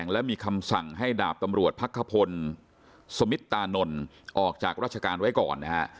และมีคำสั่งให้ดาบตำรวจพักขพลสมิตานนท์ออกจากราชการไว้ก่อนนะฮะ